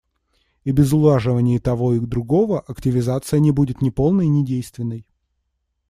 И без улаживания и того и другого активизация не будет ни полной, ни действенной.